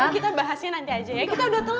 kita bahasnya nanti aja ya kita udah tunggu